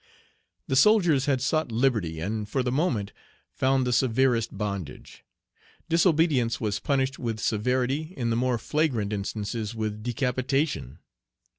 The soldiers had sought liberty, and for the moment found the severest bondage. Disobedience was punished with severity, in the more flagrant instances with decapitation.